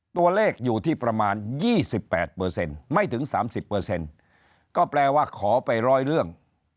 ตัวเลขอยู่ที่ประมาณ๒๘ไม่ถึง๓๐ก็แปลว่าขอไป๑๐๐เรื่อง